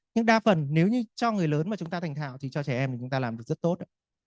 nhưng đa phần nếu như cho người lớn mà chúng ta thành thạo thì cho trẻ em thì chúng ta làm được rất tốt